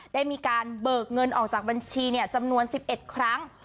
ได้มีการเบิกเงินออกจากบัญชีจำนวน๑๑ครั้ง